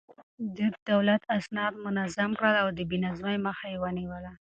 ده د دولت اسناد منظم کړل او د بې نظمۍ مخه يې ونيوله.